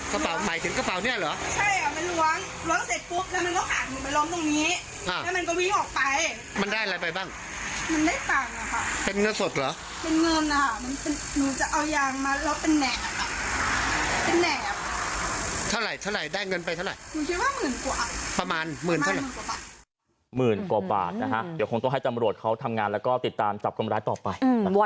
หมื่นกว่าบาทนะฮะเดี๋ยวคงต้องให้ตำรวจเขาทำงานแล้วก็ติดตามจับคนร้ายต่อไป